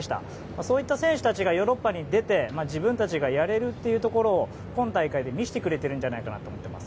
そういった選手たちがヨーロッパに出て自分たちがやれるというところを今大会で見せてくれていると思っています。